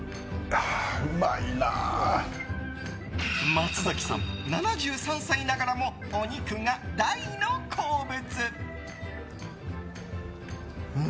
松崎さん、７３歳ながらもお肉が大の好物。